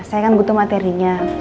saya kan butuh materinya